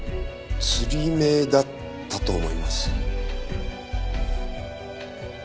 吊り目だったと思います。